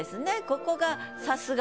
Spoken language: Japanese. ここが。